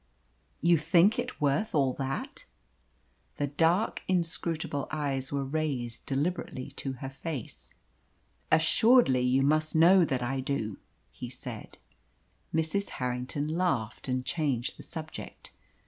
"You think it worth all that?" The dark, inscrutable eyes were raised deliberately to her face. "Assuredly you must know that I do," he said. Mrs. Harrington laughed, and changed the subject.